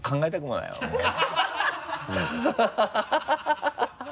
ハハハ